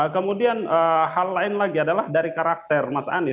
kemudian hal lain lagi adalah dari karakter mas anies